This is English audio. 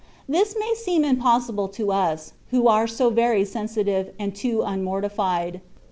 This may seem impossible to us, who are so very sensitive, and too unmortified.